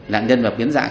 lãnh nhân là biến dạng